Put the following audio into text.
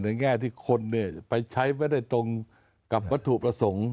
ในแง่ที่คนเนี่ยไปใช้ไม่ได้ตรงกับประถูประสงค์